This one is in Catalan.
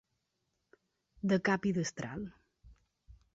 De cap i destral.